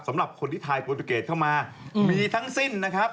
สำหรับคนที่ถ่ายโปรตูเกตเข้ามามีทั้งสิ้นนะครับ